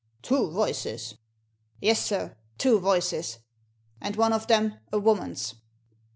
" Two voices ?"" Yes, sir, two voices— and one of them a woman's."